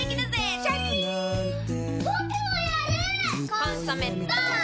「コンソメ」ポン！